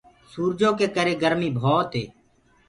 سورجو ڪي ڪري گآرمي ڀوت هي۔